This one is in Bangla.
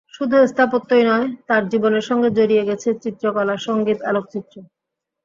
শুধু স্থাপত্যই নয়, তাঁর জীবনের সঙ্গে জড়িয়ে গেছে চিত্রকলা, সংগীত, আলোকচিত্র।